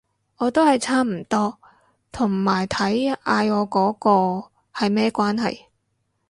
我都係差唔多，同埋睇嗌我嗰個係咩關係